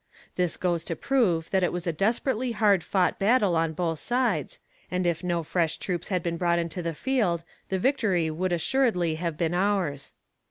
This goes to prove that it was a desperately hard fought battle on both sides, and if no fresh troops had been brought into the field, the victory would assuredly have been ours.